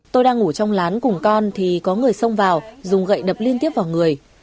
tôi đang ngủ trong lán cùng con thì có người xông vào dùng gậy đập liên tiếp vào người